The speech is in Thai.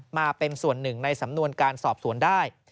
มาเป็นส่วนหนึ่งในสำนวนการสอบสวนได้